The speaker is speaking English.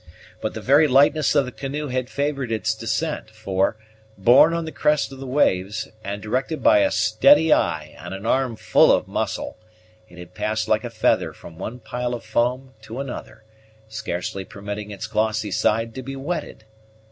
But the very lightness of the canoe had favored its descent; for, borne on the crest of the waves, and directed by a steady eye and an arm full of muscle, it had passed like a feather from one pile of foam to another, scarcely permitting its glossy side to be wetted.